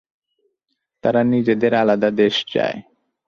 তারা নিজেদের আলাদা দেশ চায়।